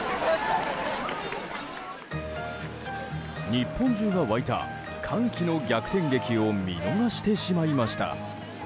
日本中が沸いた歓喜の逆転劇を見逃してしまいました。